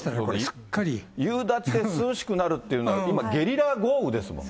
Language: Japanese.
すっこれ、夕立で涼しくなるっていうよりは、今、ゲリラ豪雨ですもんね。